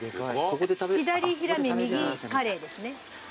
左ヒラメ右カレイですね。